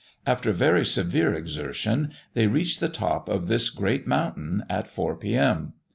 After very severe exertion, they reached the top of this great mountain, at four p.m.